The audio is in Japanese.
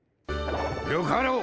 よかろう。